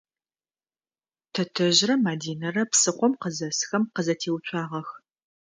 Тэтэжърэ Мадинэрэ псыхъом къызэсхэм къызэтеуцуагъэх.